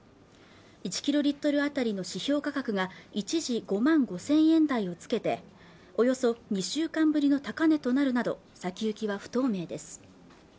１キロリットルあたりの指標価格が一時５万５０００円台をつけておよそ２週間ぶりの高値となるなど先行きは不透明です